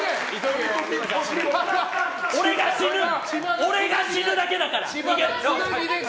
俺が死ぬだけだから！